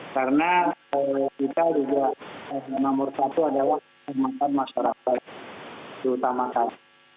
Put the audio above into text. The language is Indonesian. karena kita juga nomor satu adalah kematian masyarakat terutama kami